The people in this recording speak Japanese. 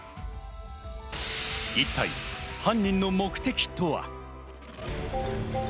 一体、犯人の目的とは？